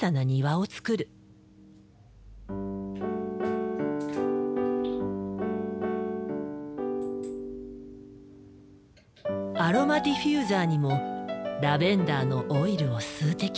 アロマディフューザーにもラベンダーのオイルを数滴。